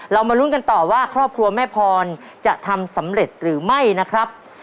มาลุ้นกันต่อว่าครอบครัวแม่พรจะทำสำเร็จหรือไม่นะครับ